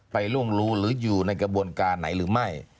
ล่วงรู้หรืออยู่ในกระบวนการไหนหรือไม่